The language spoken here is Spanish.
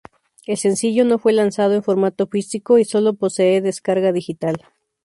El sencillo no fue lanzado en formato físico y sólo posee descarga digital.